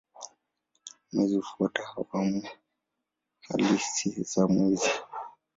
Mwezi hufuata awamu halisi za mwezi.